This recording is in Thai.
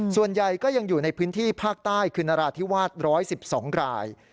ส่วนใหญ่ก็ยังอยู่ในพื้นที่ภาคใต้คือนราธิวาส๑๑๒ราย